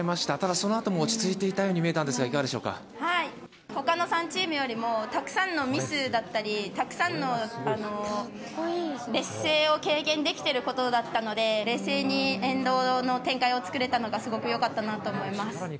ただそのあとも落ち着いていたように見えたんですが、いかがでしほかの３チームよりもたくさんのミスだったり、たくさんの劣勢を経験できてることだったので、冷静にエンドの展開を作れたのが、すごくよかったなと思います。